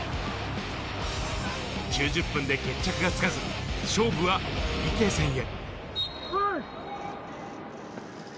９０分で決着がつかず、勝負はＰＫ戦へ。